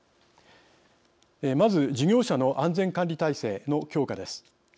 まず事業者の安全管理体制の強化です。